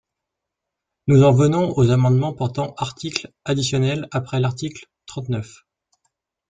Nous en venons aux amendements portant articles additionnels après l’article trente-neuf.